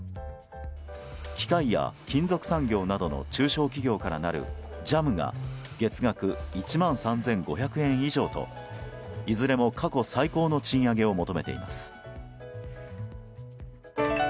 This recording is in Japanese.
機械や金属産業などの中小企業からなるＪＡＭが月額１万３５００円以上といずれも過去最高の賃上げを求めています。